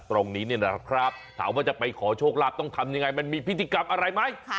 ตรงนี้เนี่ยนะครับถามว่าจะไปขอโชคลาภต้องทำยังไงมันมีพิธีกรรมอะไรไหม